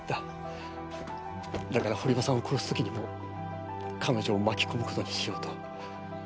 だから堀場さん殺す時にも彼女を巻き込む事にしようと。